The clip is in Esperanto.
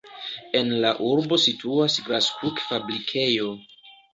En la urbo situas graskuk-fabrikejo.